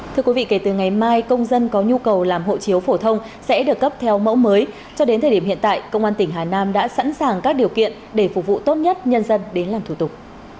thưa quý vị kể từ ngày mai công dân có nhu cầu làm hộ chiếu phổ thông sẽ được cấp theo mẫu mới cho đến thời điểm hiện tại công an tỉnh hà nam đã sẵn sàng các điều kiện để phục vụ tốt nhất nhân dân đến làm thủ tục